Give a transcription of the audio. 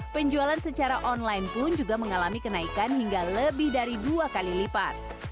penjualan secara online pun juga mengalami kenaikan hingga lebih dari dua kali lipat